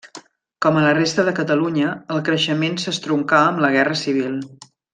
Com a la resta de Catalunya, el creixement s'estroncà amb la Guerra Civil.